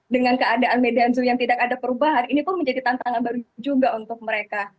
dengan keadaan medan zoo yang tidak ada perubahan ini pun menjadi tantangan baru juga untuk mereka